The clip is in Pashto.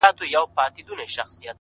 سیاه پوسي ده د مړو ورا ده ـ